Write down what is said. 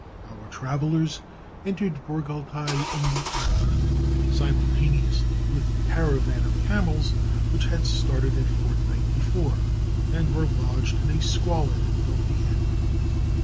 Our travelers entered Bourgaltaï in the evening, simultaneously with the caravan of camels, which had started a fortnight before, and were lodged in a squalid and filthy inn.